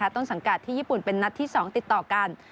ต้นสังกัดที่ญี่ปุ่นเป็นนัดที่๒ติดต่อกัน